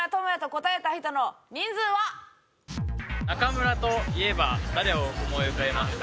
「中村」といえば誰を思い浮かべますか？